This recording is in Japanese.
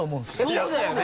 そうだよね。